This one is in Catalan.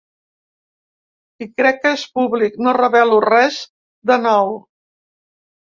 I crec que és públic, no revelo res de nou.